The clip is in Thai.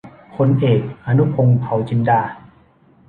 พลเอก อนุพงษ์ เผ่าจินดา